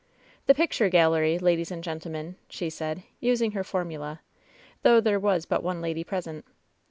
"The picture gallery, ladies and gentlemen," she said, using her formula, though there was but one lady pres ent.